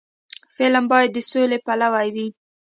فلم باید د سولې پلوي وي